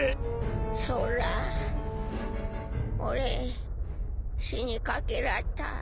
そうら俺死にかけらった。